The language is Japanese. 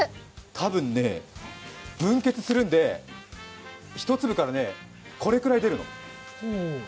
たぶんね、分けつするんで、１粒からこれくらい出るの。